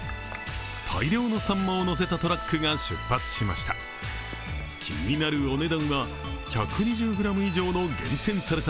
大量のさんまをのせたトラックが出発しました。